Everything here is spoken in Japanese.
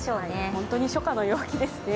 本当に初夏の陽気ですね。